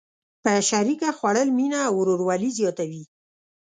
په شریکه خوړل مینه او ورورولي زیاتوي.